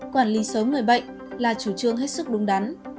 quản lý sớm người bệnh là chủ trương hết sức đúng đắn